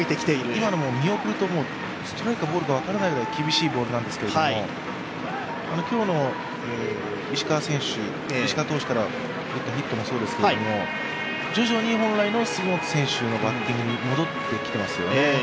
今のも見送るかと思うぐらいストライクかボールか厳しいボールなんですけど、今日の石川投手からのヒットもそうですけど徐々に本来の杉本選手のバッティングに戻ってきてますよね。